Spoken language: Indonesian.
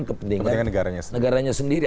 kepentingan negaranya sendiri